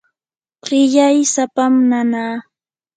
qillay sapam nanaa.